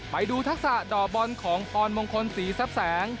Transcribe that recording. ไปดูทักษะด่อบอลของพรมงคลศรีแซ่บแสง